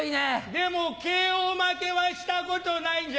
でもＫＯ負けはしたことないんじゃ。